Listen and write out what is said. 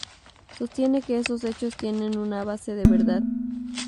Sostiene que esos hechos tienen una base de verdad.